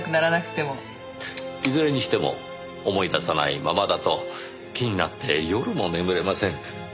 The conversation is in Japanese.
いずれにしても思い出さないままだと気になって夜も眠れません。